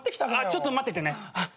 ちょっと待っててね。